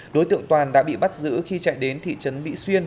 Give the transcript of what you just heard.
đối tượng toàn đã bị bắt giữ khi chạy đến thị trấn mỹ xuyên